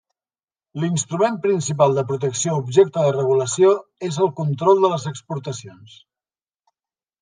L'instrument principal de protecció objecte de regulació és el control de les exportacions.